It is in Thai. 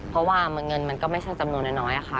เพราะว่าเงินมันก็ไม่ใช่จำนวนน้อยค่ะ